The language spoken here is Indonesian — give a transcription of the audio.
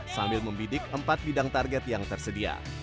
sambil membidik empat bidang target yang tersedia